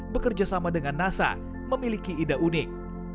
bekerja sama dengan nasa memiliki ide unik